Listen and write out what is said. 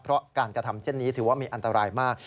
เพราะการกระทำเช่นนี้ถือว่ามีอันตรายมาก